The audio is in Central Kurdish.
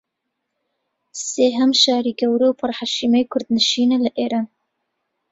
سێھەم شاری گەورە و پر حەشیمەی کوردنشینە لە ئیران